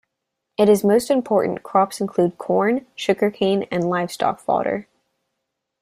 Its most important crops include corn, sugar cane and livestock fodder.